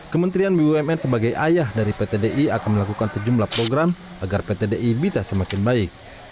kementerian bumn sebagai ayah dari pt di akan melakukan sejumlah program agar pt di bisa semakin baik